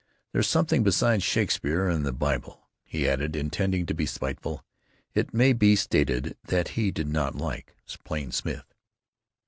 There's something besides Shakespeare and the Bible!" he added, intending to be spiteful. It may be stated that he did not like Plain Smith.